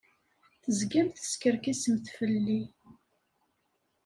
Tezgamt teskerkisemt fell-i.